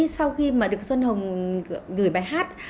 sau khi mà được sơn hồng gửi bài hát